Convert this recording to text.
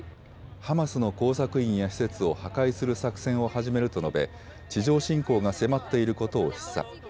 ハマスの工作員や施設を破壊する作戦を始めると述べ、地上侵攻が迫っていることを示唆。